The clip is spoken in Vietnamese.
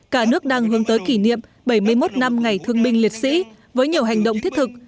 cả nước đang hướng tới kỷ niệm bảy mươi một năm ngày thương binh liệt sĩ với nhiều hành động thiết thực